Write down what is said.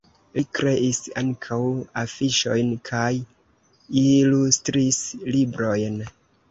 Li kreis ankaŭ afiŝojn kaj ilustris librojn.